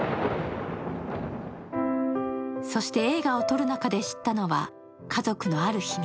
そして、映画を撮る中で知ったのは家族のある秘密。